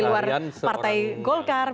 mungkin dalam keseharian di luar partai